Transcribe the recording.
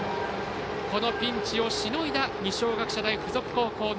このピンチをしのいだ二松学舎大付属高校。